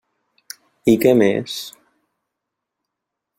I què més!